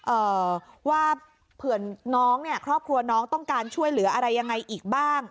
เอ่อว่าเผื่อน้องเนี่ยครอบครัวน้องต้องการช่วยเหลืออะไรยังไงอีกบ้าง